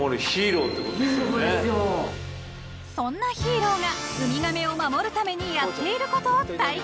［そんなヒーローがウミガメを守るためにやっていることを体験］